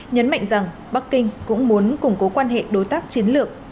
nhấn mạnh rằng bắc kinh cũng muốn củng cố quan hệ đối tác chiến lược